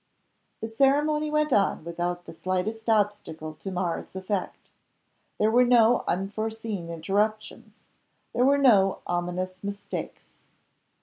The ceremony went on, without the slightest obstacle to mar its effect. There were no unforeseen interruptions. There were no ominous mistakes.